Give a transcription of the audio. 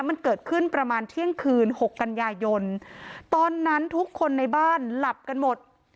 มันเกิดขึ้นประมาณเที่ยงคืนหกกันยายนตอนนั้นทุกคนในบ้านหลับกันหมด